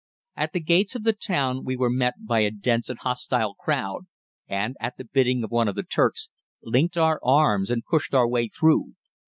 At the gates of the town we were met by a dense and hostile crowd and, at the bidding of one of the Turks, linked our arms and pushed our way through.